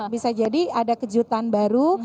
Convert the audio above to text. bisa jadi ada kejutan baru